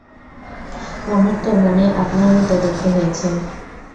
আমার তো মনে আপনার মত দেখতে হয়েছে।